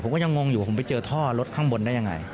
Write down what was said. ผมก็ยังงงอยู่ว่าผมไปเจอท่อรถข้างบนได้ยังไง